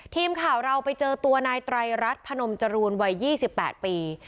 ทีมข่าวเราไปเจอตัวนายไตรรัฐพนมจรูนวัย๒๘ปี